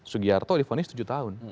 sugiharto dihonis tujuh tahun